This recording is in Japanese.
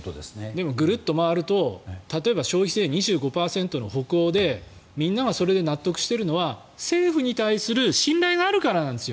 でもグルッと回ると例えば消費税２５％の北欧でみんながそれで納得しているのは政府に対する信頼があるからなんです。